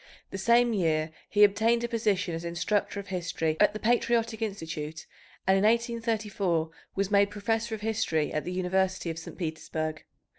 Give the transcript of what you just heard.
The same year he obtained a position as instructor of history at the Patriotic Institute, and in 1834 was made professor of history at the University of St. Petersburg.